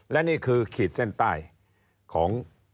และนี่คือขีดเส้นใต้ของ